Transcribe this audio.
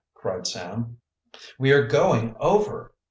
cried Sam. "We are going over!"